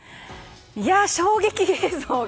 衝撃映像が。